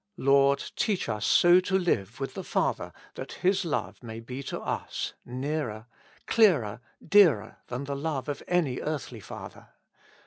Lord ! teach us so to live with the Father that His love may be to us nearer, clearer, dearer, than the love of any earthly father.